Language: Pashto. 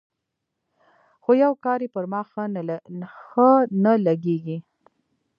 خو يو کار يې پر ما ښه نه لګېږي.